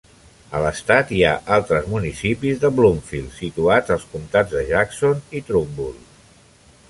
A l'estat, hi ha altres municipis de Bloomfield situats als comtats de Jackson i Trumbull.